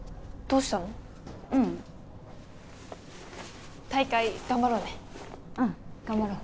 ううん大会頑張ろうねうん頑張ろう